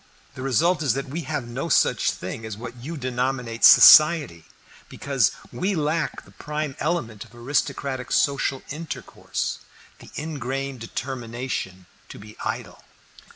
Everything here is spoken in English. The result is that we have no such thing as what you denominate 'Society,' because we lack the prime element of aristocratic social intercourse, the ingrained determination to be idle."